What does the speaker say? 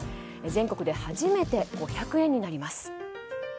全国で初めて５００円になります。